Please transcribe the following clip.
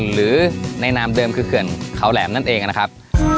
หรือในนามเดิมคือเขื่อนเขาแหลมนั่นเองนะครับ